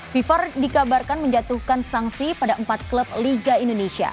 fifar dikabarkan menjatuhkan sanksi pada empat klub liga indonesia